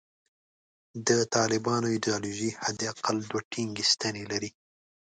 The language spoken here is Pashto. د طالبانو ایدیالوژي حد اقل دوې ټینګې ستنې لري.